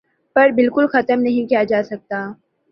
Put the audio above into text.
پر بالکل ختم نہیں کیا جاسکتا